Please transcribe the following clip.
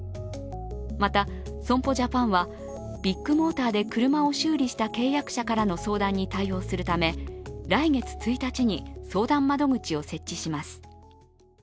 また、損保ジャパンはビッグモーターで車を修理した契約者からの相談に対応するため来月１日に相談窓口を設置します。